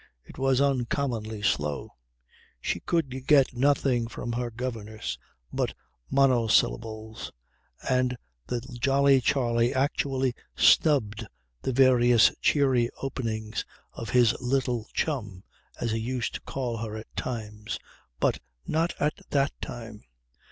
It was uncommonly slow. She could get nothing from her governess but monosyllables, and the jolly Charley actually snubbed the various cheery openings of his "little chum" as he used to call her at times, but not at that time.